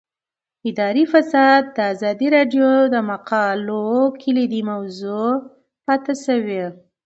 اداري فساد د ازادي راډیو د مقالو کلیدي موضوع پاتې شوی.